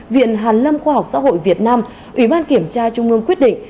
viện hàn lâm khoa học xã hội việt nam ủy ban kiểm tra trung ương quyết định